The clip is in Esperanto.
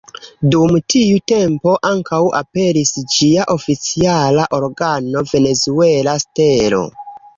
Dum tiu tempo ankaŭ aperis ĝia oficiala organo "Venezuela Stelo".